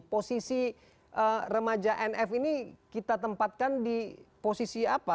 posisi remaja nf ini kita tempatkan di posisi apa